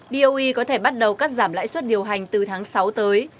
boe có thể bắt đầu cắt giảm lãi suất điều hành từ tháng sáu tới